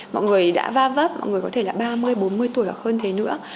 mọi người đã va vấp mọi người có thể là ba mươi bốn mươi tuổi hoặc hơn thế nữa